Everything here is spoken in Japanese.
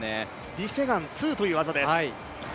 リ・セグァン２という技です。